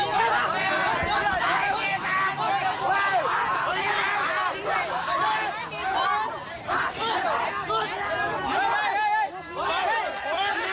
โร่โถ่โหยรุมโหลรุมไหลเขารุมโหลเสียลมอน